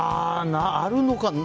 あるのかな。